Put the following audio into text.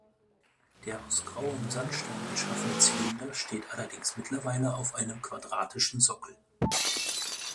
Der aus grauem Sandstein geschaffene Zylinder steht allerdings mittlerweile auf einem quadratischen Sockel.